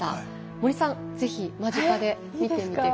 森さん是非間近で見てみて下さい。